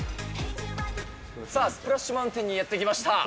さあ、スプラッシュ・マウンテンにやってまいりました。